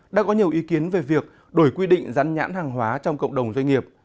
đã có nhiều ý kiến về việc đổi quy định rắn nhãn hàng hóa trong cộng đồng doanh nghiệp